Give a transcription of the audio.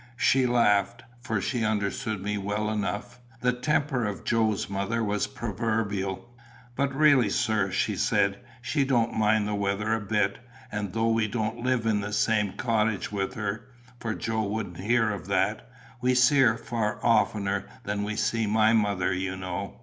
She laughed; for she understood me well enough. The temper of Joe's mother was proverbial. "But really, sir," she said, "she don't mind the weather a bit; and though we don't live in the same cottage with her, for Joe wouldn't hear of that, we see her far oftener than we see my mother, you know."